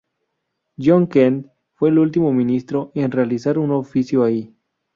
John Kent fue el último ministro en realizar un oficio ahí.